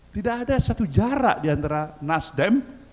tidak ada satu jarak di antara nasdem